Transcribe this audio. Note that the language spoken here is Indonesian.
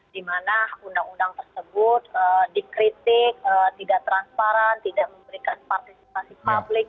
di mana undang undang tersebut dikritik tidak transparan tidak memberikan partisipasi publik